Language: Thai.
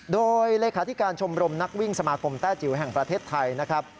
โดยเลขาธิการชมรมนักวิ่งสมาคมแต้จิ๋วแห่งประเทศไทยนะครับ